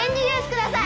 ください！